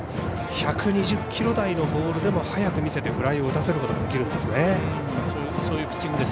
１２０キロ台のボールでも速く見せてフライを打たせることができるんですね。